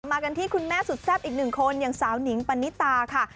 มากันที่คุณแม่สุดแซ่บอีกหนึ่งคนอย่างสาวหนิงปณิตาค่ะ